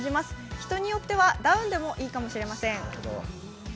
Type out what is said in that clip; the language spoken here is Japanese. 人によってはダウンでもいいかもしれません。